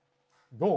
どう？